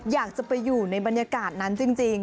อยากจะไปอยู่ในบรรยากาศนั้นจริง